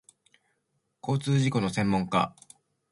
交通事故の専門家